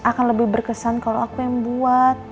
akan lebih berkesan kalau aku yang buat